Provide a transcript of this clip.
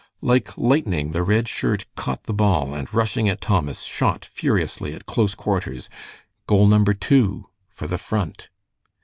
Like lightning the Red Shirt caught the ball, and rushing at Thomas, shot furiously at close quarters. Goal number two for the Front!